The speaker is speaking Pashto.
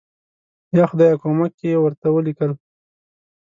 یا خدایه کومک یې ورته ولیکل.